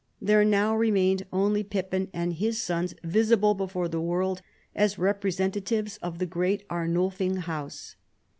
There now remained only Pippin and his sons visibly before the world as representatives of the great Arnulfing House.